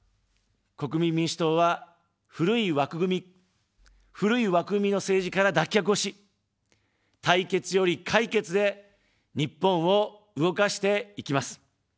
国民民主党は、古い枠組み、古い枠組みの政治から脱却をし、対決より解決で日本を動かしていきます。